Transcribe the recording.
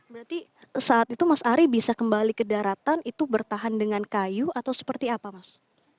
berarti saat itu mas ari bisa kembali ke daratan itu bertahan dengan kayu atau seperti apa mas